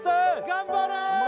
頑張れ！